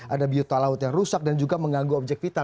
ada biota laut yang rusak dan juga mengganggu objek vital